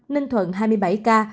ninh thuận hai mươi bảy ca